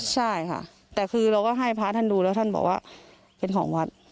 ใช่ค่ะแต่คือเราก็ให้พระท่านดูแล้วท่านบอกว่าเป็นของวัด